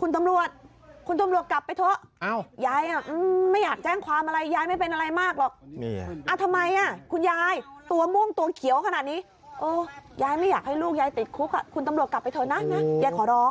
คุณตำรวจคุณตำรวจกลับไปเถอะยายไม่อยากแจ้งความอะไรยายไม่เป็นอะไรมากหรอกทำไมคุณยายตัวม่วงตัวเขียวขนาดนี้ยายไม่อยากให้ลูกยายติดคุกคุณตำรวจกลับไปเถอะนะยายขอร้อง